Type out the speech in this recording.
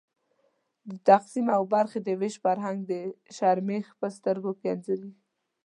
د تقسیم او برخې د وېشلو فرهنګ د شرمښ په سترګو کې انځورېږي.